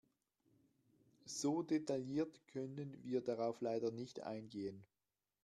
So detailliert können wir darauf leider nicht eingehen.